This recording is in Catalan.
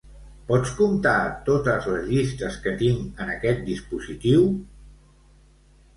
Pots comptar totes les llistes que tinc en aquest dispositiu?